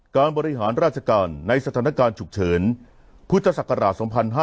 บริหารราชการในสถานการณ์ฉุกเฉินพุทธศักราช๒๕๕๙